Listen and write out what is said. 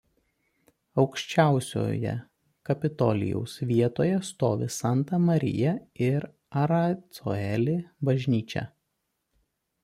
Aukščiausioje Kapitolijaus vietoje stovi Santa Maria in Aracoeli bažnyčia.